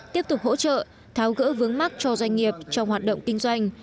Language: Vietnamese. tiếp tục hỗ trợ tháo gỡ vướng mắt cho doanh nghiệp trong hoạt động kinh doanh